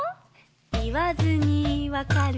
「いわずにわかる！